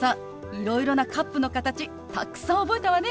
いろいろなカップの形たくさん覚えたわね！